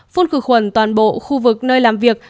phun khử khuẩn toàn bộ khu vực nơi làm việc